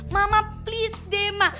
mama please deh ma